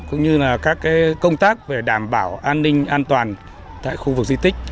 cũng như là các cái công tác về đảm bảo an ninh an toàn tại khu vực du tích